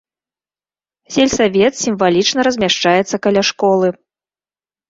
Сельсавет сімвалічна размяшчаецца каля школы.